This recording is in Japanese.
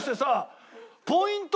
ポイント